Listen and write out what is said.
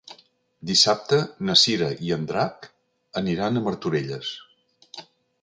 Dissabte na Cira i en Drac aniran a Martorelles.